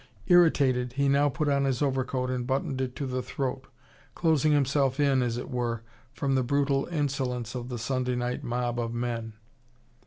Irritated, he now put on his overcoat and buttoned it to the throat, closing himself in, as it were, from the brutal insolence of the Sunday night mob of men.